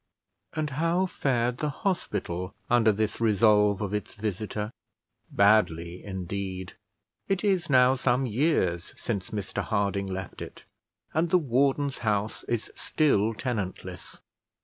And how fared the hospital under this resolve of its visitor? Badly indeed. It is now some years since Mr Harding left it, and the warden's house is still tenantless.